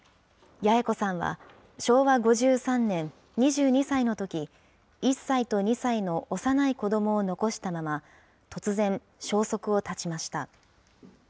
八重子さんは昭和５３年、２２歳のとき、１歳と２歳の幼い子どもを残したまま、突然、消息を絶ちました。